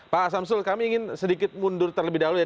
pak samsul kami ingin sedikit mundur terlebih dahulu ya